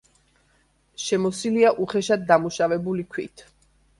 შემოსილია უხეშად დამუშავებული ქვით.